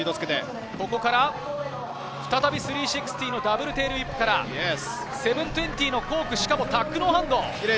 再び３６０のダブルテールウィップから、７２０のコーク、しかもタックノーハンド。